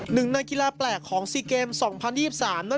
หนึ่งน่ากีฬาแปลกของซีเกมส์สองพันยี่สิบสามนั้นคือ